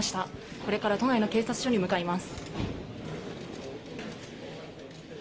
これから都内の警察署に向かいます。